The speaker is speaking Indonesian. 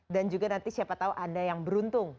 dan juga nanti siapa tahu anda yang beruntung